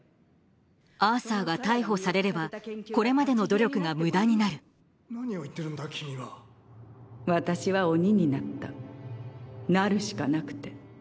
アーサーが逮捕されればこれまでの努力が無駄になる私は鬼になったなるしかなくて。